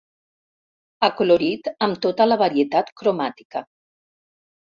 Acolorit amb tota la varietat cromàtica.